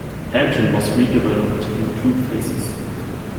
Hampden was redeveloped in two phases.